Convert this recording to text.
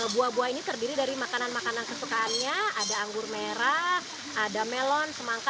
buah buah ini terdiri dari makanan makanan kesukaannya ada anggur merah ada melon semangka